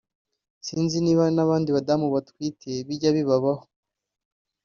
“Sinzi niba n’abandi badamu batwite bijya bibabaho